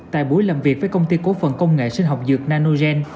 tại buổi làm việc với công ty cổ phần công nghệ sinh học dược nanogen